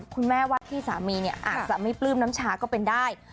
วาดที่สามีเนี่ยอาจจะไม่ปลื้มน้ำชาก็เป็นได้